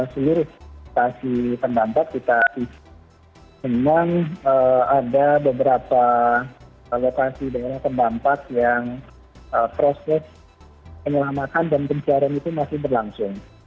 sebenarnya di lokasi pendampak kita memang ada beberapa lokasi daerah pendampak yang proses penyelamatan dan pencarian itu masih berlangsung